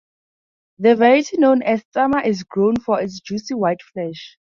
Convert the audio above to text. The variety known as "tsamma" is grown for its juicy white flesh.